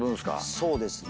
そうですね。